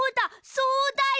そうだよ！